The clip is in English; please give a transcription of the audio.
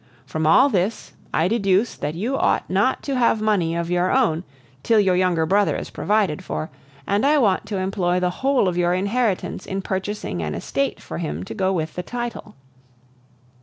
From all this I deduce that you ought not to have money of your own till your younger brother is provided for, and I want to employ the whole of your inheritance in purchasing an estate for him to go with the title."